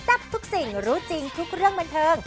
ทับทุกสิ่งรู้จริงทุกเรื่องบันเทิง